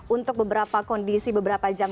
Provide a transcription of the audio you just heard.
untuk beberapa kondisi beberapa jam